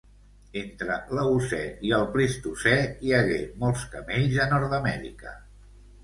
Entre l'Eocè i el Plistocè hi hagué molts camells a Nord-amèrica.